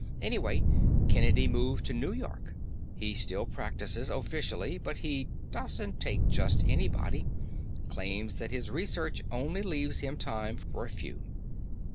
Anyway, Kennedy moved to New York. He still practices, officially, but he doesn't take just anybody; claims that his research only leaves him time for a few."